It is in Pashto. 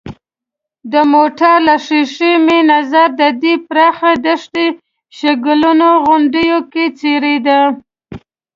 د موټر له ښېښې مې نظر د دې پراخې دښتې شګلنو غونډیو کې څرېده.